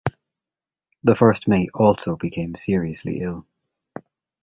The first mate also became seriously ill.